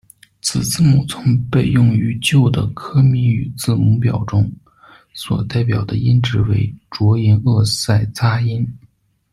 此字母曾被用于旧的科米语字母表中，所代表的音值为浊龈腭塞擦音。